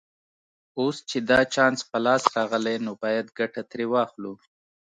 اوس چې دا چانس په لاس راغلی نو باید ګټه ترې واخلو